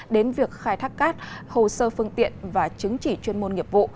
đến việc khai thác cát hồ sơ phương tiện và chứng chỉ chuyên môn nghiệp vụ